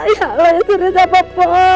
ya allah yang sedih sama poh